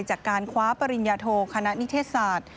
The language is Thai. จากการคว้าปริญญาโทคณะนิเทศศาสตร์